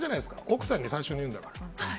奥さんに最初に言うから。